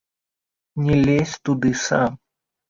Не лезь туды сам!